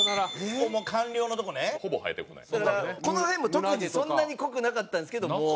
だからこの辺も特にそんなに濃くなかったんですけどもう。